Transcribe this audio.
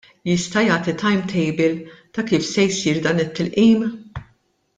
Jista' jagħti timetable ta' kif se jsir dan it-tilqim?